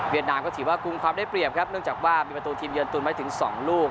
นามก็ถือว่ากุมความได้เปรียบครับเนื่องจากว่ามีประตูทีมเยือนตุนไว้ถึง๒ลูก